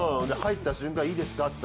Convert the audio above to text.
入った瞬間いいですか？